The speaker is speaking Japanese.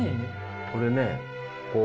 これねこう。